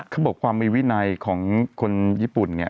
เขาบอกว่าความมีวินัยของคนญี่ปุ่น